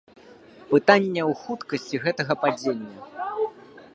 Пытанне ў хуткасці гэтага падзення.